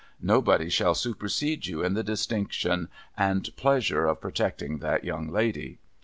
Nobody shall supersede you in the distinction and pleasure of protecting that young lady.'